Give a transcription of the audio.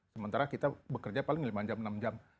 sementara kita bekerja paling lima jam enam jam